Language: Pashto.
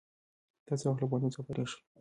تاسو څه وخت له پوهنتون څخه فارغ شوئ؟